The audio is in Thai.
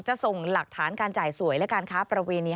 จะส่งหลักฐานการจ่ายสวยและการค้าประเวณี